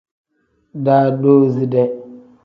Daadoside.